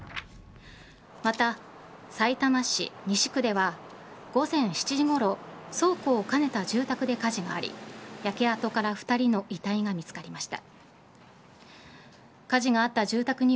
また、さいたま市西区では午前７時ごろ倉庫を兼ねた住宅で火事があり焼け跡から２人の遺体が見つかりました。